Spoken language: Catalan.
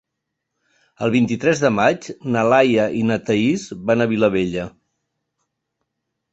El vint-i-tres de maig na Laia i na Thaís van a Vilabella.